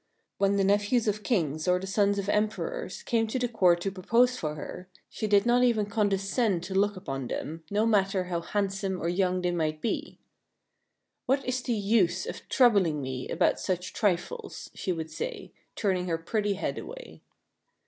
When the nephews of Kings or the sons of Emperors came to the court to propose for her, she did not even condescend to look upon them, no matter how handsome or young they might be. " What is the use of troubling me about such trifles? " she would say, turning her pretty head away.